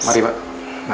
semoga cepat sembuh